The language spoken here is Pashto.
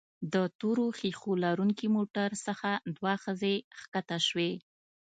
د تورو ښيښو لرونکي موټر څخه دوه ښځې ښکته شوې.